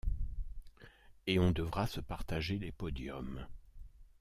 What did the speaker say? Et on devra se partager les podiums.